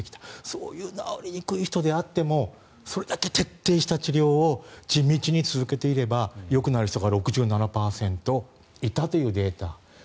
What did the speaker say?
そういう治りにくい人であってもそれだけ徹底した治療を地道に続けていればよくなる人が６７％いたというデータ。